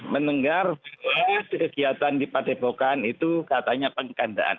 mendengar kegiatan di padepokan itu katanya pengkandaan